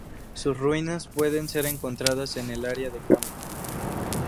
Sus ruinas pueden ser encontradas en el área de Kamo.